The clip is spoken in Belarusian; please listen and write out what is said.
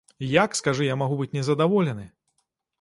Як, скажы, я магу быць не задаволены?